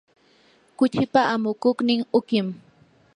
kuchipa amukuqnin uqim.